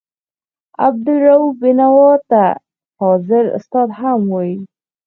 عبدالرؤف بېنوا ته فاضل استاد هم وايي.